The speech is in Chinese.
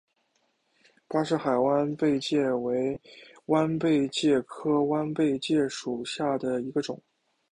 巴士海弯贝介为弯贝介科弯贝介属下的一个种。